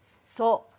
そう。